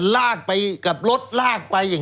ลากไปกับลดลากไป